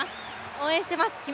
応援しています。